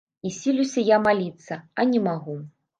І сілюся я маліцца, а не магу.